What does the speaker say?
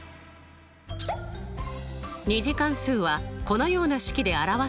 ２次関数はこのような式で表すことができます。